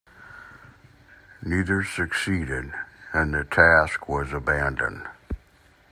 Neither succeeded, and the task was abandoned.